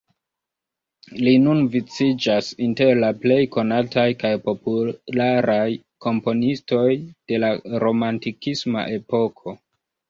Li nun viciĝas inter la plej konataj kaj popularaj komponistoj de la romantikisma epoko.